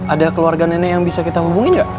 ada keluarga nenek yang bisa kita hubungin nggak